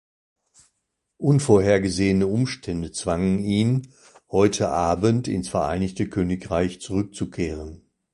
Unvorhergesehene Umstände zwangen ihn, heute Abend ins Vereinigte Königreich zurückzukehren.